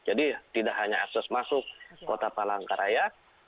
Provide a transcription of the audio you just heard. jadi tidak hanya akses masuk kota palangkaraya